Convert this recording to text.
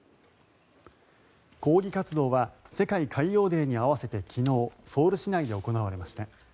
抗議活動は世界海洋デーに合わせて昨日ソウル市内で行われました。